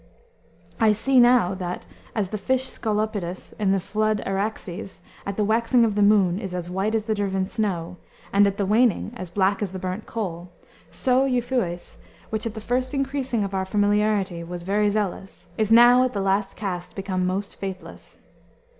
"I see now that, as the fish Scolopidus in the flood Araxes at the waxing of the moon is as white as the driven snow, and at the waning as black as the burnt coal; so Euphues, which at the first increasing of our familiarity was very zealous, is now at the last cast become most faithless."